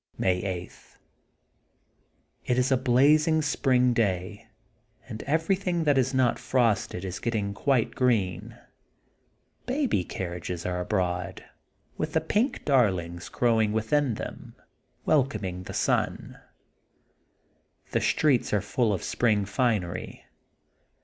'' May 8: — ^It is a blazing spring day and everything that was not frosted is getting quite green. Baby carriages are abroad, with the pink darlings crowing withih them, wel coming the sun. The streets are full of spring finery.